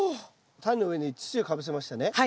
タネの上に土をかぶせましたね？